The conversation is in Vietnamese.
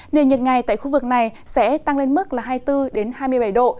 nền nhiệt ngày tại khu vực này sẽ tăng lên mức là hai mươi bốn hai mươi bảy độ